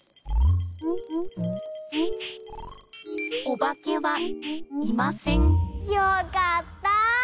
おばけはいませんよかったあ！